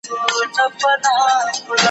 میاشت لا نه وه تېره سوې چي قیامت سو